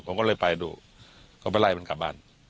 ผมก็เลยไปดูเขาไปไล่มันกลับบ้าน